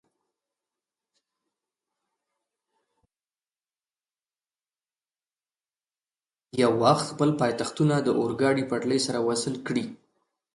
یو وخت خپل پایتختونه د اورګاډي پټلۍ سره وصل کړي.